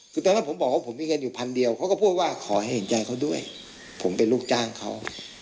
คือตอนนั้นผมบอกว่าผมมีเงินอยู่พันเดียวเขาก็พูดว่าขอให้เห็นใจเขาด้วยผมเป็นลูกจ้างเขา